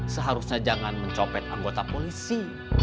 seharusnya jangan mencopet anggota polisi